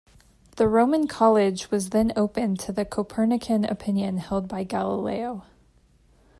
The Roman College was then open to the Copernican opinion held by Galileo.